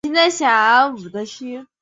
殿试登进士第二甲第三名。